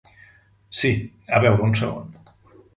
Si, a veure un segon.